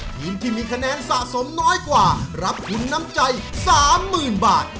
ทีมที่มีคะแนนสะสมน้อยกว่ารับทุนน้ำใจ๓๐๐๐บาท